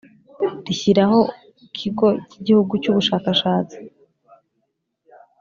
rishyiraho Kigo cy Igihugu cy Ubushakashatsi